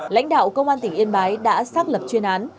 lãnh đạo công an tỉnh yên bái đã xác lập chuyên án